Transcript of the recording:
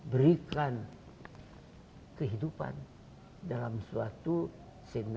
dia berusia dua belas tahun